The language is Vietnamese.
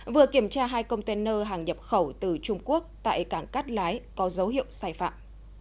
vừa kiểm tra hai container hàng nhập khẩu từ trung quốc tại cảng cát lái có dấu hiệu sai phạm